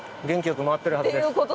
元気よく回ってるはずです。